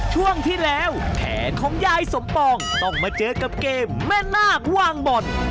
ช่วงที่แล้วแผนของยายสมปองต้องมาเจอกับเกมแม่นาคว่างบ่อน